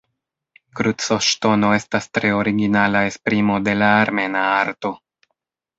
Krucoŝtono estas tre originala esprimo de la armena arto.